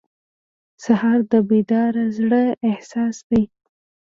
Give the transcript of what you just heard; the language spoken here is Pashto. سهار د بیدار زړه احساس دی.